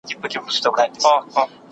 بهرنۍ مرستې باید په بنسټیزو پروژو ولګول سي.